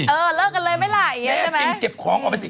เออเลิกกันเลยไม่หล่ายแน่จริงเก็บของออกไปสิ